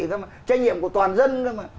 trách nhiệm của toàn dân